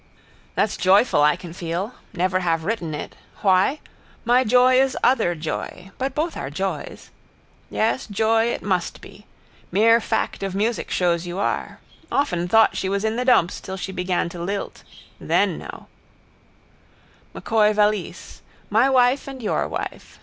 That's joyful I can feel. Never have written it. Why? My joy is other joy. But both are joys. Yes, joy it must be. Mere fact of music shows you are. Often thought she was in the dumps till she began to lilt. Then know. M'Coy valise. My wife and your wife.